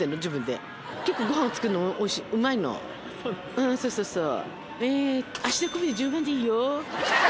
うんそうそうそう。